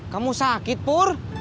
kamu sakit pur